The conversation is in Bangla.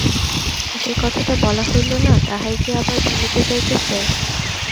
যে কথাটা বলা হইল না, তাহাই কি আবার বলিতে যাইতেছে।